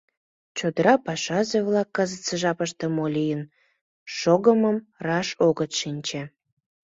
Чодыра пашазе-влак кызытсе жапыште мо лийын шогымым раш огыт шинче.